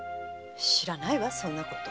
知らないわそんなこと。